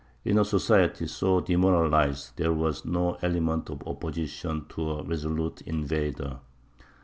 In a society so demoralized there were no elements of opposition to a resolute invader.